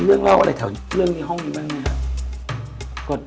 เรื่องเล่าอะไรแถวเรื่องในห้องนี้บ้างไหมครับ